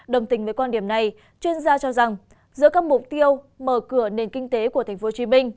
đồng tình với quan điểm này chuyên gia cho rằng giữa các mục tiêu mở cửa nền kinh tế của tp hcm